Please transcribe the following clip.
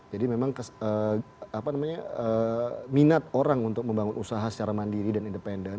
memang minat orang untuk membangun usaha secara mandiri dan independen